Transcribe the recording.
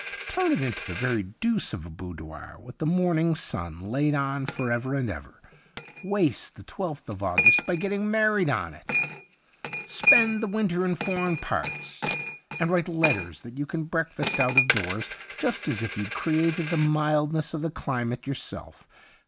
Turn it into the very deuce of a boudoir with the morning sun laid on for ever and ever. Waste the twelfth of August by getting married on it. Spend the winter in foreign parts, and write letters that you can breakfast out of doors, just as if you'd created the mildness of the climate your self.